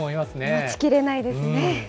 待ちきれないですね。